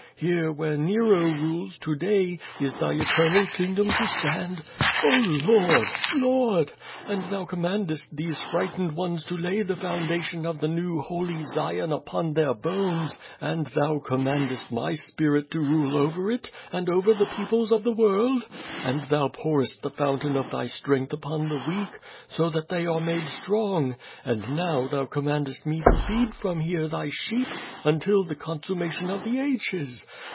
Here, where Xero rules to day, is Thy eternal King dom to stand? Oh, Lord! Lord! And Thou commandest these frightened ones to lay the foundation of the Xew Holy Zion upon their Ijones, and Thou commandest my spirit to rule over it and over the peo})los of the world? And Thou pourest the fountain of Thy strength upon the weak, so that they are made strong; and now Thou commandest me to feed from here Thy sheep until the consummation of the ages.